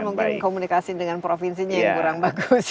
mungkin komunikasi dengan provinsinya yang kurang bagus